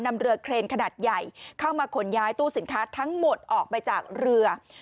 นำเรือเครนขนาดใหญ่เข้ามาขนย้ายตู้สินค้าทั้งหมดออกไปจากเรือ